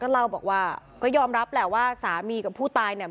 เราก็ยอมรับแหละว่าสามีกับผู้ตาย